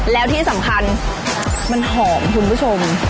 แล้วที่สำคัญมันหอมคุณผู้ชม